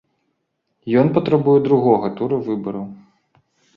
Ён патрабуе другога тура выбараў.